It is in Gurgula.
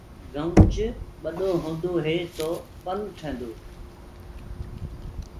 گنوُچ ٻڏو هوندو هي تو پن ٺيندو هي۔